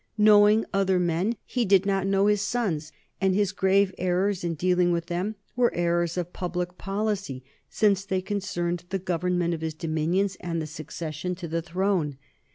Knowing other men, he did not know his sons, and his grave errors in dealing with them were errors of public policy, since they concerned the government of his dominions and the succession to the throne.